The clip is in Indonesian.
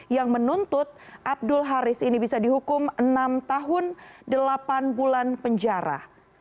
yang menuntut abdul haris ini bisa dihukum enam tahun delapan bulan penjara